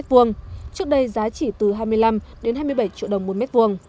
trước đây giá chỉ từ hai mươi năm đến hai mươi bảy triệu đồng một m hai